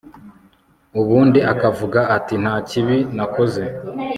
ubundi akavuga ati nta kibi nakoze